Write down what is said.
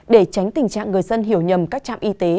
để tránh tình trạng người dân hiểu nhầm các trạm y tế